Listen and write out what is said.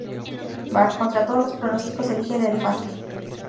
Bart, contra todos los pronósticos, elige el elefante.